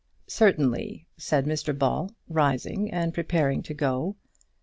"Certainly," said Mr Ball, rising and preparing to go.